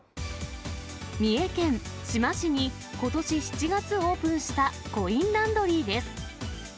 三重県志摩市にことし７月オープンしたコインランドリーです。